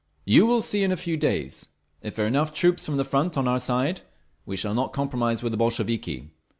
"You will see in a few days. If there are enough troops from the front on our side, we shall not compromise with the Bolsheviki.